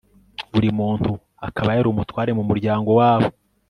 buri muntu akaba yari umutware mu muryango wabo